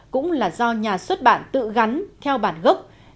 cũng là do nhà xuất bản tự gắn theo bản gốc